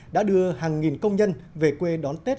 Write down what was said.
đã đưa hàng nghìn công nhân về quê đón tết